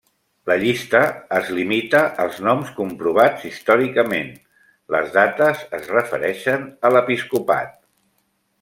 La llista es limita als noms comprovats històricament, les dates es refereixen a l'episcopat.